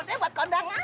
deh buat kondangan